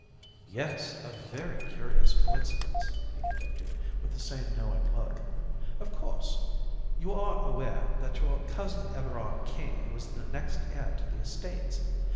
"Yes, a very curious coincidence," he continued, with the same knowing look. "Of course, you are aware that your cousin Everard King was the next heir to the estates.